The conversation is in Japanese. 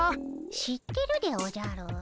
知ってるでおじゃる。